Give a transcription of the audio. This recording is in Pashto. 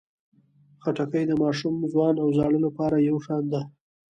خټکی د ماشوم، ځوان او زاړه لپاره یو شان ده.